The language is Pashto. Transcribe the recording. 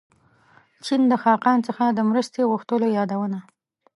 چین د خاقان څخه د مرستې غوښتلو یادونه.